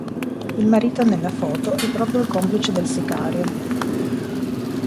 Il marito nella foto è proprio il complice del sicario.